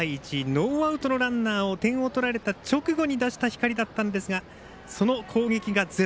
ノーアウトのランナーを点を取られた直後に出した光だったんですがその攻撃が０。